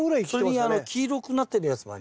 それに黄色くなってるやつもありますよ。